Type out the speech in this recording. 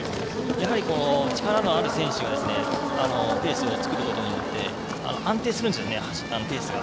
やはり力のある選手がペースを作ることによって安定するんですよね、ペースが。